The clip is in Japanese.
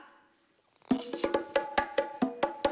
よいしょ。